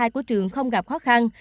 của trường không gặp khó khăn